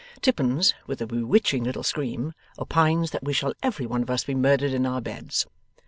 Tippins, with a bewitching little scream, opines that we shall every one of us be murdered in our beds.